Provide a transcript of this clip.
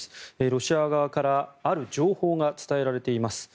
ロシア側からある情報が伝えられています。